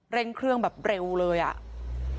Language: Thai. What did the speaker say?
เล่นเครื่องแบบเร็วเลยอ่ะเนี้ย